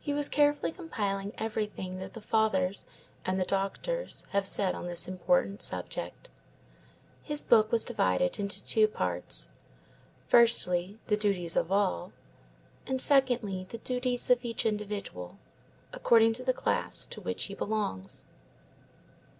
He was carefully compiling everything that the Fathers and the doctors have said on this important subject. His book was divided into two parts: firstly, the duties of all; secondly, the duties of each individual, according to the class to which he belongs.